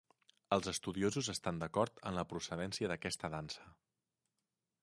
Els estudiosos estan d'acord en la procedència d'aquesta dansa.